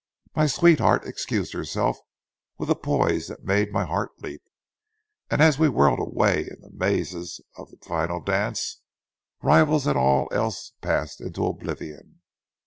My sweetheart excused herself with a poise that made my heart leap, and as we whirled away in the mazes of the final dance, rivals and all else passed into oblivion.